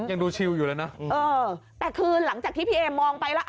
ยังดูชิวอยู่เลยนะเออแต่คือหลังจากที่พี่เอมองไปแล้ว